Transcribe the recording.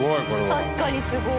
確かにすごい！